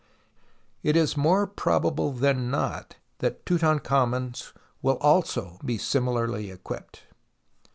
it is more probable than notthat Tutankhamen's will also be similarly equipped.